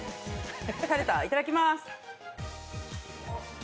いただきます。